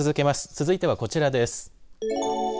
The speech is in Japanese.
続いては、こちらです。